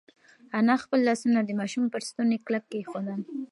انا خپل لاسونه د ماشوم پر ستوني کلک کېښودل.